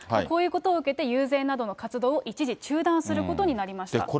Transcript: こういうことを受けて、遊説などの活動を一時中断することになりました。